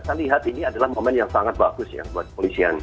saya lihat ini adalah momen yang sangat bagus ya buat polisian